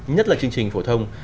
nhất là chương trình phổ thông